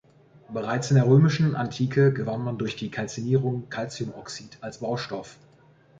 Bereits in der römischen Antike gewann man durch die Kalzinierung Calciumoxid als Baustoff.